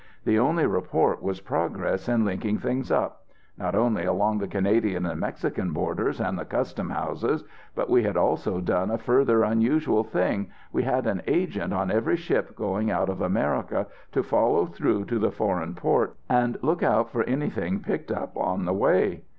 The only report was progress in linking things up; not only along the Canadian and Mexican borders and the custom houses, but we had also done a further unusual thing, we had an agent on every ship going out of America to follow through to the foreign port and look out for anything picked up on the way.